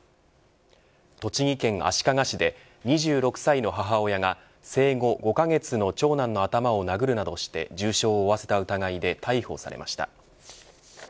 栃木県足利市で２６歳の母親が生後５カ月の長男の頭を殴るなどして重傷を負わせた疑いで逮捕されました。